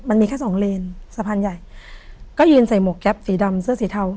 มันมีแค่สองเลนสะพานใหญ่ก็ยืนใส่หมวกแก๊ปสีดำเสื้อสีเทา